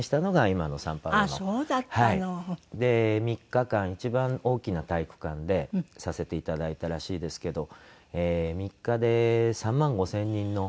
３日間一番大きな体育館でさせていただいたらしいですけど３日で３万５０００人の。